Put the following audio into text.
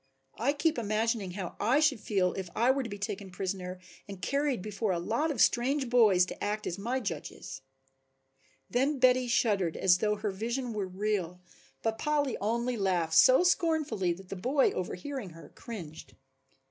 I keep imagining how I should feel if I were to be taken prisoner and carried before a lot of strange boys to act as my judges." Then Betty shuddered as though her vision were real, but Polly only laughed so scornfully that the boy, overhearing her, cringed.